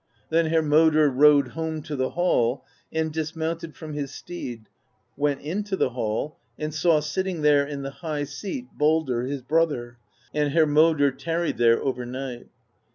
Then Hermodr rode home to the hall and dismounted from his steed, went into the hall, and saw sitting there in the high seat Baldr, his brother; and Hermodr tarried there overnight.